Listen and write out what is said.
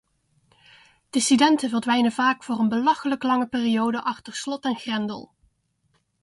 Dissidenten verdwijnen vaak voor een belachelijk lange periode achter slot en grendel.